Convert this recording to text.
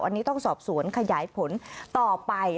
อันนี้ต้องสอบสวนขยายผลต่อไป